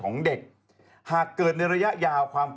น้องน้องกลัวอย่าไปแจ้งตำรวจดีกว่าเด็ก